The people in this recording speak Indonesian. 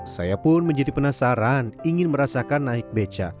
saya pun menjadi penasaran ingin merasakan naik beca